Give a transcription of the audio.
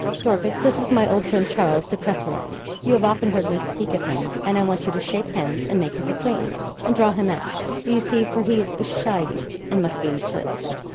'Dorcas, this is my old friend, Charles de Cresseron. You have often heard me speak of him; and I want you to shake hands and make his acquaintance, and draw him out do you see; for he's a shy youth, and must be encouraged.'